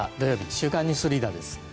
「週刊ニュースリーダー」です。